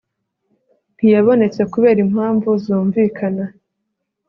ntiyabonetse kubera impamvu zumvikana